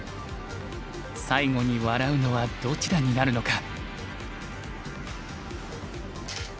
最後に笑うのはどちらになるのか。